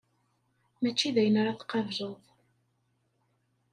Mačči d ayen ara tqableḍ.